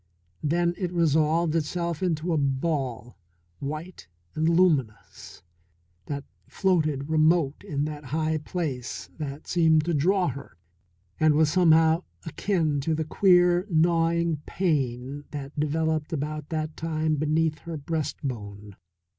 Then it resolved itself into a ball, white and luminous, that floated remote in that high place and seemed to draw her, and was somehow akin to the queer, gnawing pain that developed about that time beneath her breastbone.